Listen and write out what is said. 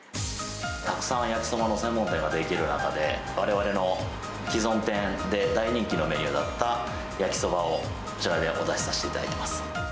たくさん焼きそばの専門店が出来る中で、われわれの既存店で大人気のメニューだった焼きそばを、こちらでお出しさせていただきます。